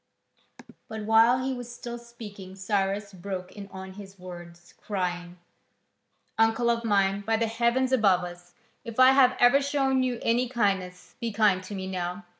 But while he was still speaking Cyrus broke in on his words, crying: "Uncle of mine, by the heaven above us, if I have ever shown you any kindness, be kind to me now.